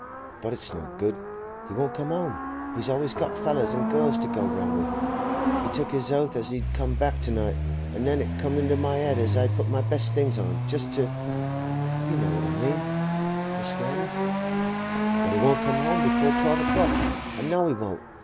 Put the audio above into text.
But it's no good; he won't come 'ome; he's always got fellers an' girls to go round with. He took his hoath as he'd come back to night, an' then it come into my 'ed as I'd put my best things on, just to—you know what I mean, Miss Snowdon. But he won't come before twelve o'clock; I know he won't.